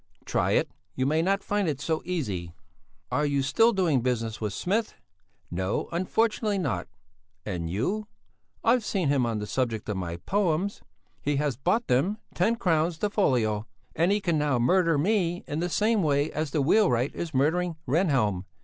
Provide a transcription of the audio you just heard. "Try it! You may not find it so easy!" "Are you still doing business with Smith?" "No, unfortunately not! And you?" "I've seen him on the subject of my poems. He has bought them, ten crowns the folio, and he can now murder me in the same way as the wheelwright is murdering Rehnhjelm.